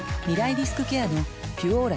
リスクケアの「ピュオーラ」